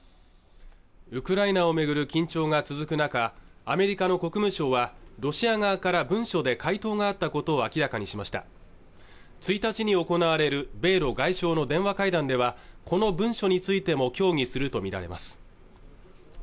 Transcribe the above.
ウクライナをめぐる緊張が続く中アメリカの国務省はロシア側から文書で回答があったことを明らかにしました１日に行われる米ロ外相の電話会談ではこの文書についても協議すると見られます